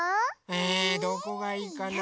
えどこがいいかな？